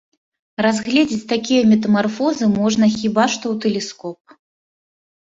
Разгледзець такія метамарфозы можна хіба што ў тэлескоп.